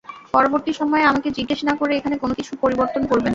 পরবর্তী সময়ে আমাকে জিজ্ঞেস না করে এখানে কোন কিছু পরিবর্তন করবে না,।